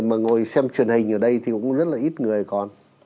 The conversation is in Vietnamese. mà ngồi xem truyền hình ở đây thì cũng rất là ít người con